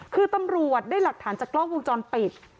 คือตำรวจได้หลักฐานจากกล้องวงจรปิด